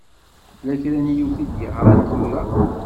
Tella kra n yiwet i d-yeɣṛan tura.